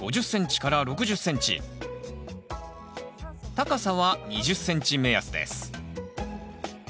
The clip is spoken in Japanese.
高さは２０ｃｍ目安です